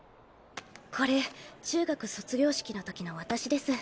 これ中学卒業式のときの私です。